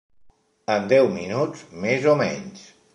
En deu minuts més o menys.